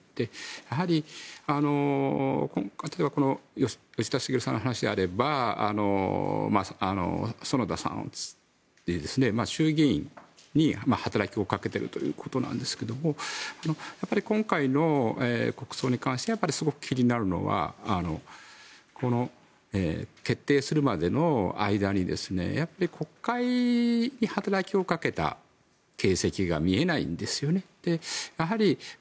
やはり、吉田茂さんの話であれば園田さん、衆議院に働きをかけているということですけども今回の国葬に関してすごく気になるのは決定するまでの間に国会に働きをかけた形跡が見えないんですよね。